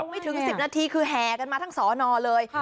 ไม่ถึง๑๐นาทีคือแห่กันมาทั้งสอนอเลย